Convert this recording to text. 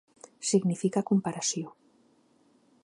Significa comparació.